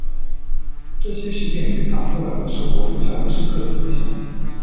这些事件给他后来的生活留下了深刻的印象。